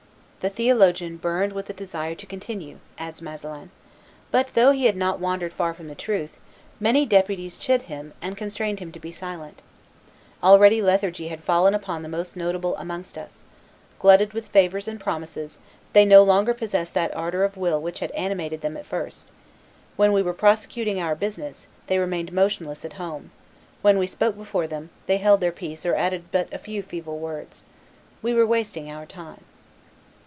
"The theologian burned with a desire to continue," adds Masselin; "but though he had not wandered far from the truth, many deputies chid him and constrained him to be silent. ... Already lethargy had fallen upon the most notable amongst us; glutted with favors and promises, they no longer possessed that ardor of will which had animated them at first; when we were prosecuting our business, they remained motionless at home; when we spoke before them, they held their peace or added but a few feeble words. We were wasting our time."